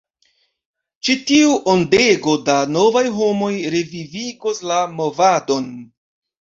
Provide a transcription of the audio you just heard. Ĉi tiu ondego da novaj homoj revivigos la movadon!